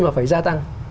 mà phải gia tăng